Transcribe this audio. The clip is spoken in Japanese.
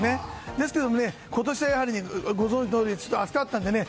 ですけど今年はご存じのとおり暑かったのでね